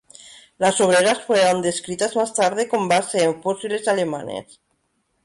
Las obreras fueron descritas más tarde con base en fósiles alemanes.